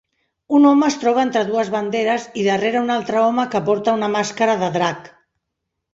Un home es troba entre dues banderes i darrere un altre home que porta una màscara de drac.